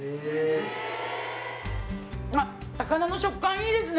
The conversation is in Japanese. あっ高菜の食感いいですね・